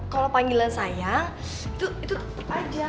kalo panggilan sayang itu itu tetep aja